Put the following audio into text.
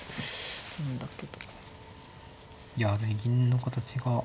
いや銀の形が。